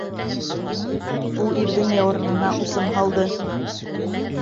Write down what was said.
Ул ирҙең яурынына усын һалды.